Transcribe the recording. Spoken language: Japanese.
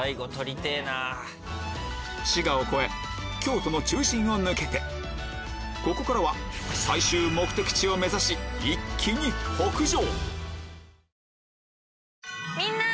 滋賀を越え京都の中心を抜けてここからは最終目的地を目指し一気に北上